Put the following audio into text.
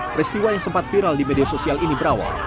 peristiwa yang sempat viral di media sosial ini berawal